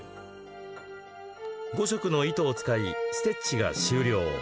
５色の糸を使いステッチが終了。